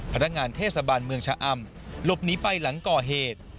พนักงานเทศบาลเมืองชะอำหลบหนีไปหลังก่อเหตุ